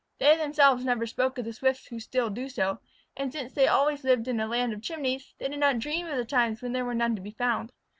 They themselves never spoke of the Swifts who still do so, and since they had always lived in a land of chimneys, they did not dream of the times when there were none to be found.